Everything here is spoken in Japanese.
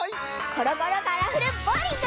コロコロカラフルボウリング！